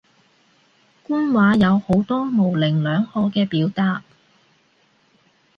官話有好多模棱兩可嘅表達